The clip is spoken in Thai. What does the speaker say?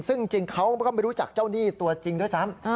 ซึ่งจริงเขาก็ไม่รู้จักเจ้าหนี้ตัวจริงด้วยซ้ำ